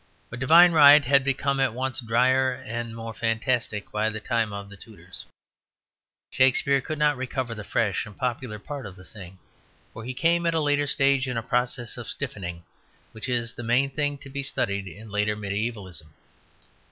But divine right had become at once drier and more fantastic by the time of the Tudors. Shakespeare could not recover the fresh and popular part of the thing; for he came at a later stage in a process of stiffening which is the main thing to be studied in later mediævalism.